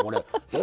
え